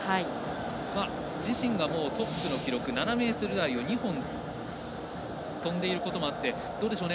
自身がトップの記録７ｍ台を２本跳んでいることもあってどうでしょうね